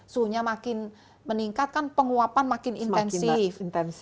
suhunya makin meningkat kan penguapan makin intensif